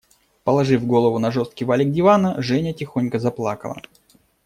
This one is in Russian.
Положив голову на жесткий валик дивана, Женя тихонько заплакала.